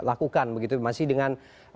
dilakukan begitu masih dengan